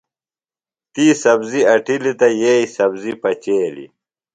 تی سبزیۡ اٹِلی تہ یییۡ سبزیۡ پچیلیۡ۔